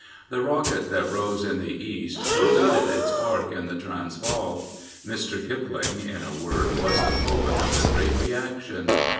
The rocket that rose in the East completed its arc in the Transvaal. Mr. Kipling, in a word, was the poet of the great reaction.